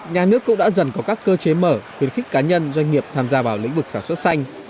nhà nước cũng đã dần có các cơ chế mở khuyến khích cá nhân doanh nghiệp tham gia vào lĩnh vực sản xuất xanh